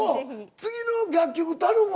次の楽曲頼むわ。